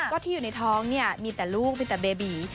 ก็ที่อยู่ในท้องเนี่ยมีแต่ลูกมีแต่เบบี